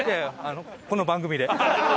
この番組で。